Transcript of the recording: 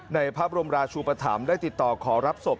ในภาพรมราชูปฐำได้ติดต่อขอรับศพ